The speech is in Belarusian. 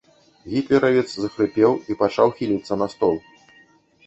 Гітлеравец захрыпеў і пачаў хіліцца на стол.